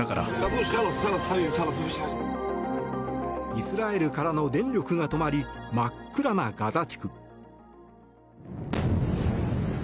イスラエルからの電力が止まり真っ暗なガザ地区。